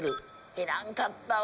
いらんかったわ。